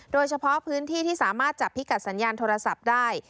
โดยเฉพาะพื้นที่ที่สามารถจับพิกัดสัญญาณโทรศัพท์ได้